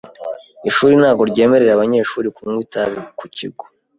Ishuri ntabwo ryemerera abanyeshuri kunywa itabi ku kigo.